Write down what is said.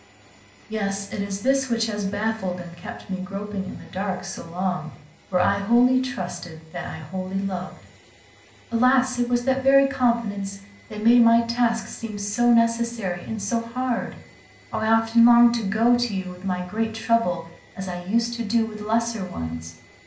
"Yes, it is this which has baffled and kept me groping in the dark so long, for I wholly trusted what I wholly loved." "Alas, it was that very confidence that made my task seem so necessary and so hard. How often I longed to go to you with my great trouble as I used to do with lesser ones.